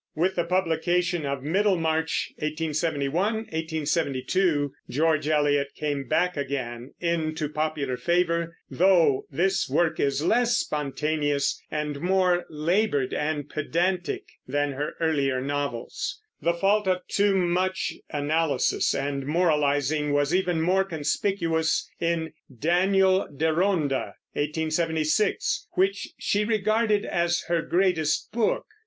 With the publication of Middlemarch (1871 1872) George Eliot came back again into popular favor, though this work is less spontaneous, and more labored and pedantic, than her earlier novels. The fault of too much analysis and moralizing was even more conspicuous in Daniei Deronda (1876), which she regarded as her greatest book.